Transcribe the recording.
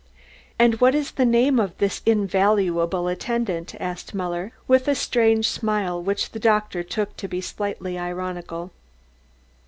"And what is the name of this invaluable attendant?" asked Muller with a strange smile which the doctor took to be slightly ironical.